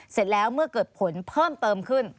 เสร็จแล้วเมื่อเกิดผลเพิ่มเติมขึ้น